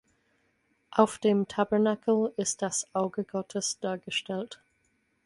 Auf dem Tabernakel ist das Auge Gottes dargestellt.